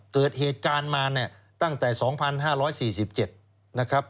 เกิดเหตุการณ์มาเนี่ยตั้งแต่๒๕๔๗นะครับ